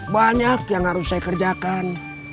banyak yang harus saya kerjakan